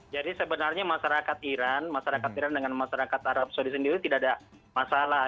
jadi sebenarnya masyarakat iran masyarakat iran dengan masyarakat arab saudi sendiri tidak ada masalah